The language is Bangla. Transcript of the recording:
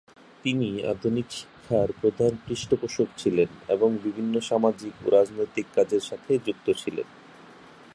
তিনি আধুনিক শিক্ষার প্রধান পৃষ্ঠপোষক ছিলেন এবং বিভিন্ন সামাজিক ও রাজনৈতিক কাজের সাথে যুক্ত ছিলেন।